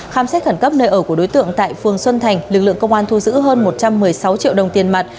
khám xét khẩn cấp nơi ở của đối tượng tại phường xuân thành lực lượng công an thu giữ hơn một trăm một mươi sáu triệu đồng tiền mặt